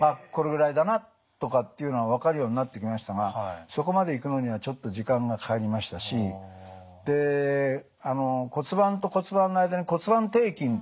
あっこのぐらいだなとかっていうのが分かるようになってきましたがそこまでいくのにはちょっと時間がかかりましたしで骨盤と骨盤の間に骨盤底筋っていうのがあってね